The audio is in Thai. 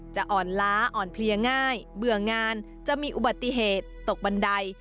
จะอ่อนล้าอ่อนเพลียง่ายเบื่องานจะมีอุบัติเหตุตกบันได